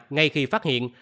ngay khi phát hiện